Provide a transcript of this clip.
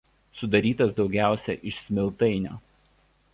Sudarytas daugiausia iš smiltainio.